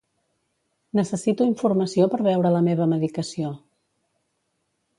Necessito informació per veure la meva medicació.